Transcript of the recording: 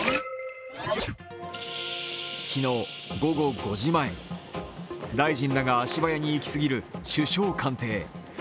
昨日午後５時前、大臣らが足早に行き過ぎる首相官邸。